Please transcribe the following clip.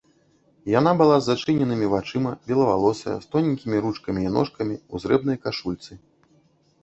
Яна была з зачыненымі вачыма, белавалосая, з тоненькімі ручкамі і ножкамі, у зрэбнай кашульцы.